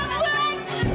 kita akan lihat